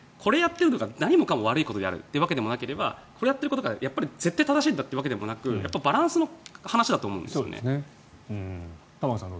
これやっているのが何もかも悪いものであるというわけでもなければこれをやってることが絶対正しいというわけでもなくバランスの話だと思います。